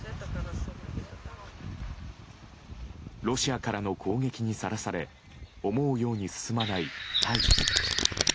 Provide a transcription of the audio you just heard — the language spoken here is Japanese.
ロシアからの攻撃にさらされ思うように進まない退避。